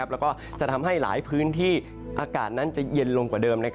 แล้วก็จะทำให้หลายพื้นที่อากาศนั้นจะเย็นลงกว่าเดิม